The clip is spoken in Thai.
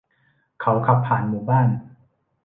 เขาขับผ่านหมู่บ้าน